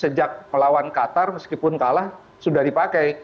sejak pelawan qatar meskipun kalah sudah dipake